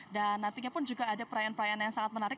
dan nantinya pun juga ada perayaan perayaan yang sangat menarik